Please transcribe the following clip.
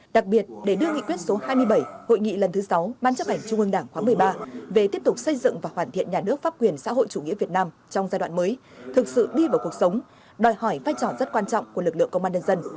đặc biệt để đưa nghị quyết số hai mươi bảy hội nghị lần thứ sáu ban chấp hành trung ương đảng khóa một mươi ba về tiếp tục xây dựng và hoàn thiện nhà nước pháp quyền xã hội chủ nghĩa việt nam trong giai đoạn mới thực sự đi vào cuộc sống đòi hỏi vai trò rất quan trọng của lực lượng công an nhân dân